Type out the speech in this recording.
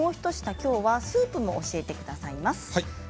きょうはスープも教えてくださいます。